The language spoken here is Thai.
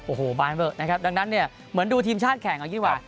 โอ้โหบ้านเบิกนะครับดังนั้นเหมือนดูทีมชาติแข่งแบบนี้ดีกว่า